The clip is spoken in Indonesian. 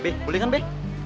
be boleh kan be